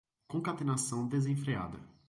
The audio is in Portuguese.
concatenação desenfreada